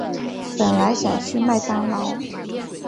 本来想去麦当劳